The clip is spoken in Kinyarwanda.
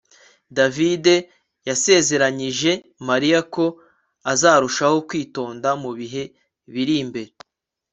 davide yasezeranyije mariya ko azarushaho kwitonda mu bihe biri imbere